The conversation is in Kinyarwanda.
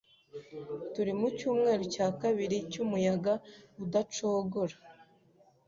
Turi mucyumweru cya kabiri cyumuyaga udacogora.